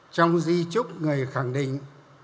trong di trúc người khẳng định